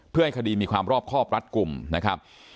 เพื่อให้คดีมีความรอบครอบรัดกลุ่มนะครับ